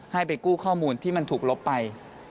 ให้ไปกู้ข้อมูลที่มันถูกลบไป